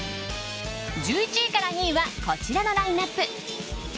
１１位から２位はこちらのラインアップ！